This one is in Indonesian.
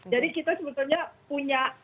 jadi kita sebetulnya punya